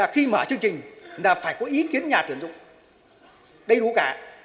khi mở chương trình là phải có ý kiến nhà tuyển dụng đầy đủ cả